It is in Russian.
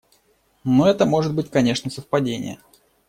Но это может быть, конечно, совпадение.